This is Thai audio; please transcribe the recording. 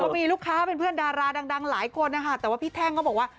มีลูกค้าเป็นเพื่อนดาราดังหลายคนนะคะแต่ว่าพี่แท่งเขาบอกว่า